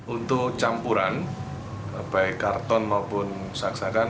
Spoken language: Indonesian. untuk campuran baik karton maupun saksakan